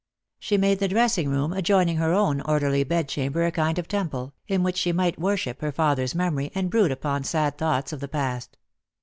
She made the dressing room adjoining her own orderly bedchamber a kind of temple, in which she might worship her father's memory, and brood, upon sad thoughts of the past.